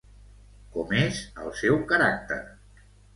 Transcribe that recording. Com és el seu caràcter?